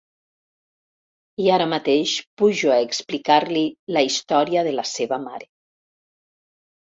I ara mateix pujo a explicar-li la història de la seva mare.